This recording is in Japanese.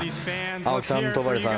青木さん、戸張さん